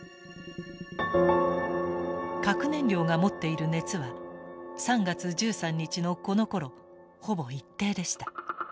核燃料が持っている熱は３月１３日のこのころほぼ一定でした。